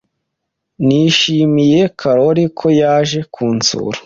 Nishimiye Karoli ko yaje kunsura.